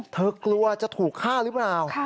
กลัวจะถูกฆ่าหรือเปล่า